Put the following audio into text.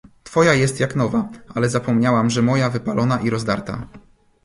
"Twoja jest jak nowa; ale zapomniałam, że moja wypalona i rozdarta!"